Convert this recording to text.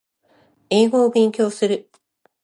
英語を勉強する